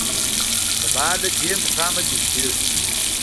سبا له دې مقامه لېرې کېږم.